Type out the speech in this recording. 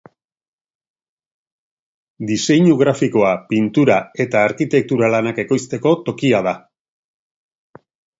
Diseinu grafikoa, pintura eta arkitektura lanak ekoizteko tokia da.